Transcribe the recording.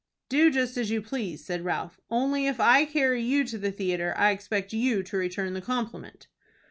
"Do just as you please," said Ralph; "only if I carry you to the theatre I expect you to return the compliment."